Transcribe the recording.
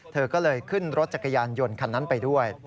เธอก็เลยขึ้นรถจักรยานยนต์คันนั้นไปด้วย